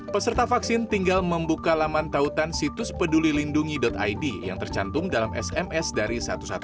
peserta vaksin tinggal membuka laman tautan situspedulilindungi id yang tercantum dalam sms dari seribu satu ratus sembilan puluh sembilan